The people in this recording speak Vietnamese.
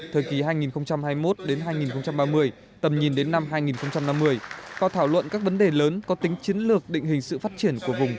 thời kỳ hai nghìn hai mươi một hai nghìn ba mươi tầm nhìn đến năm hai nghìn năm mươi và thảo luận các vấn đề lớn có tính chiến lược định hình sự phát triển của vùng